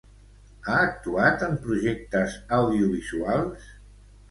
Ha actuat en projectes audiovisuals?